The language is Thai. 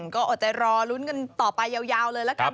ก็อดใจรอลุ้นกันต่อไปยาวเลยละกัน